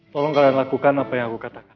tolong kalian lakukan apa yang aku katakan